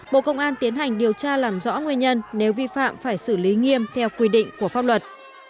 bộ công an tiến hành điều tra làm rõ nguyên nhân nếu vi phạm phải xử lý nghiêm theo quy định của pháp luật